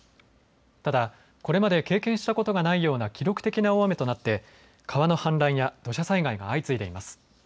ただ、これまで経験したことがないような記録的な大雨となって川の氾濫や土砂災害が相次いでいます。